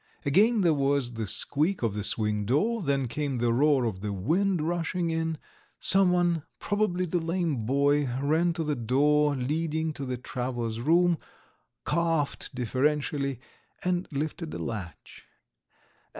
Again there was the squeak of the swing door. Then came the roar of the wind rushing in. Someone, probably the lame boy, ran to the door leading to the "travellers' room," coughed deferentially, and lifted the latch.